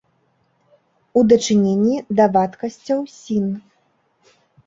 У дачыненні да вадкасцяў сін.